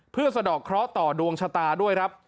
เพื่อสะดอกเคราะห์ต่อดวงชะตาด้วยครับ